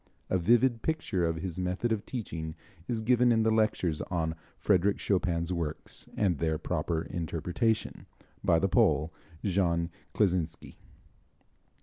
A vivid picture of his method of teaching is given in the lectures on "Frédéric Chopin's Works and Their Proper Interpretation," by the Pole, Jean Kleczynski.